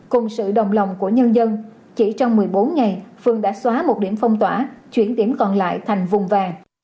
cùng sự đồng lòng của nhân dân chỉ trong một mươi bốn ngày phường đã xóa một điểm phong tỏa chuyển điểm còn lại thành vùng vàng